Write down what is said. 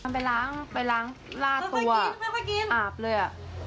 ไปล้างลากันตัวอาบเลย